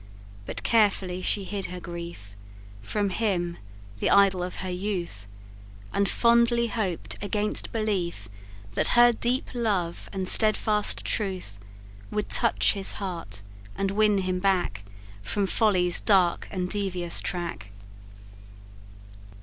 But carefully she hid her grief From him, the idol of her youth; And fondly hoped, against belief, That her deep love and stedfast truth Would touch his heart, and win him back From Folly's dark and devious track.